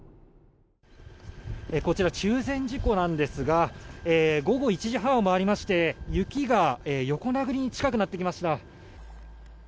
こちら中禅寺湖なんですが午後１時半を回りまして雪が横殴りに近くなってきました。